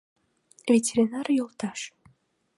— Ветеринар йолташ!